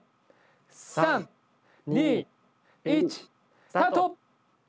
３・２・１スタート！